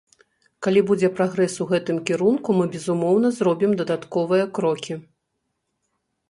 Калі будзе прагрэс у гэтым кірунку, мы, безумоўна, зробім дадатковыя крокі.